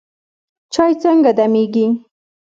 چای څنګه دمیږي؟